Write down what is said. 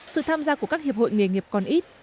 sự tham gia của các hiệp hội nghề nghiệp còn ít